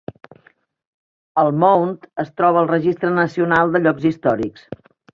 El Mound es troba al registre nacional de llocs històrics.